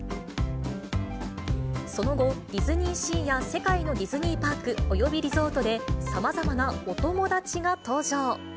その後、ディズニーシーや世界のディズニーパークおよびリゾートで、さまざまなお友達が登場。